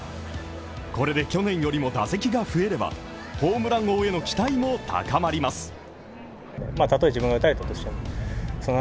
これで去年よりも打席が増えれば、ホームラン王への期待も高まります。